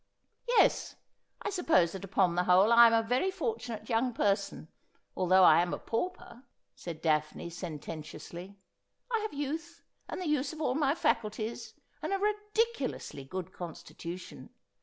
' Yes ; I suppose that upon the whole I am a very fortunate young person, although I am a pauper,' said Daphne sententi ously. ' I have youth, and the use of all my faculties, and a ridiculously good constitution.